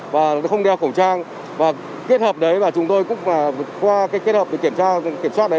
và không đeo khẩu trang và kết hợp đấy và chúng tôi cũng qua cái kết hợp kiểm tra kiểm soát đấy